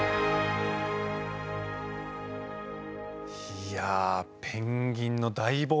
いやペンギンの大冒険！